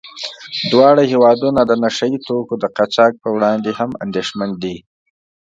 دواړه هېوادونه د نشه يي توکو د قاچاق په وړاندې هم اندېښمن دي.